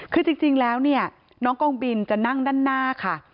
คือจริงแล้วเนี่ยน้องกองบินจะนั่งด้านหน้าค่ะ